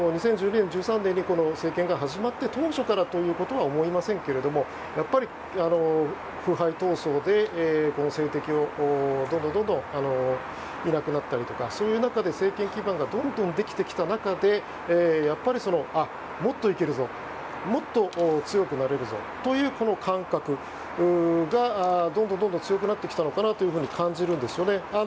２０１３年に政権が始まって当初からということは思いませんけど腐敗闘争で政敵がどんどんいなくなったりとかそういう中で政権基盤がどんどんできてきた中でやっぱり、もっといけるぞもっと強くなれるぞという感覚がどんどん強くなってきたのかなと感じるんですよね。